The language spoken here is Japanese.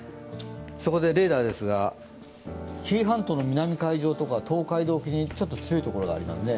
そこでレーダーですが、紀伊半島の南海上とか東海沖にちょっと強いところがありますね。